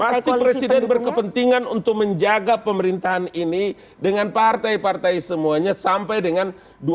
pasti presiden berkepentingan untuk menjaga pemerintahan ini dengan partai partai semuanya sampai dengan dua ribu sembilan belas